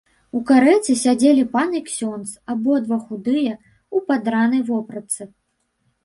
У карэце сядзелі пан і ксёндз, абодва худыя, у падранай вопратцы.